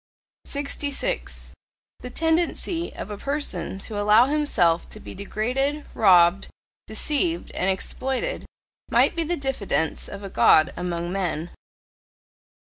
66. The tendency of a person to allow himself to be degraded, robbed, deceived, and exploited might be the diffidence of a God among men.